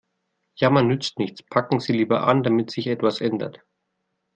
Jammern nützt nichts, packen Sie lieber an, damit sich etwas ändert.